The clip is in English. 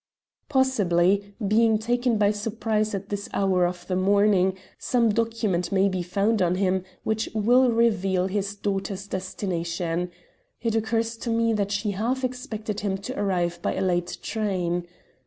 Possibly, being taken by surprise at this hour of the morning, some document may be found on him which will reveal his daughter's destination. It occurs to me that she half expected him to arrive by a late train.